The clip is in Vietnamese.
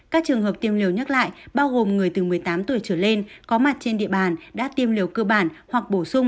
các trường hợp tiêm liều nhắc lại bao gồm người từ một mươi tám tuổi trở lên có mặt trên địa bàn đã tiêm liều cơ bản hoặc bổ sung